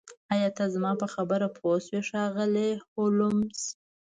ایا ته زما په خبره پوه شوې ښاغلی هولمز